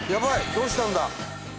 どうしたんだ？